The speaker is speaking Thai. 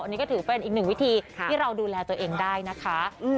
อันนี้ก็ถือเป็นอีกหนึ่งวิธีที่เราดูแลตัวเองได้นะคะ